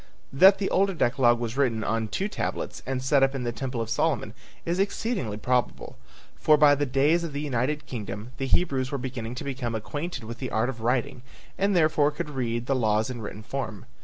That the older decalogue was written on two tablets and set up in the temple of Solomon is exceedingly probable, for by the days of the United Kingdom the Hebrews were beginning to become acquainted with the art of writing and therefore could read the laws in written form.